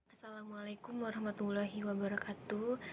assalamualaikum warahmatullahi wabarakatuh